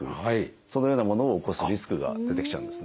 そのようなものを起こすリスクが出てきちゃうんですね。